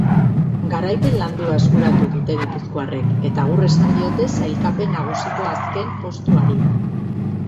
Garaipen landua eskuratu dute gipuzkoarrek eta agur esan diote sailkapen nagusiko azken postuari.